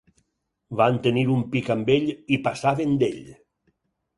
Van tenir un pic amb ell, i passaven d'ell.